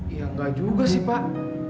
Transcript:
ya nggak juga sih pak